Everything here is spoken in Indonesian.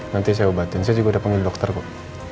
nanti saya obatin saya juga udah panggil dokter kok